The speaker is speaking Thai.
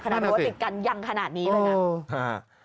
ขนาดรวมติดกันยังขนาดนี้เลยนะ